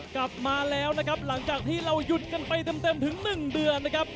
กลับมาแล้วหลังจากที่เราหยุดไปเติมถึง๑เดือน